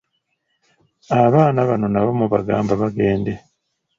Abaana bano nabo mubagamba bagende.